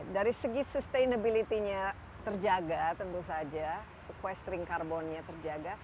dari segi sustainability nya terjaga tentu saja sequestring karbonnya terjaga